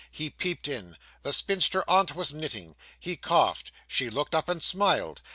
He peeped in. The spinster aunt was knitting. He coughed; she looked up and smiled.